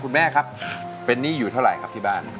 แม่ครับเป็นหนี้อยู่เท่าไหร่ครับที่บ้าน